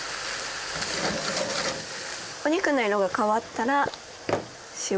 お肉の色が変わったら塩・こしょう。